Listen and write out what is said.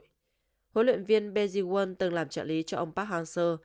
huấn luyện viên beji won từng làm trợ lý cho ông park hang seo